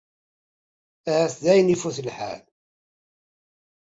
Ahat dayen ifut lḥal.